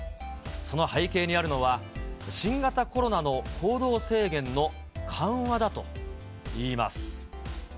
その背景にあるのは、新型コロナの行動制限の緩和だといいます。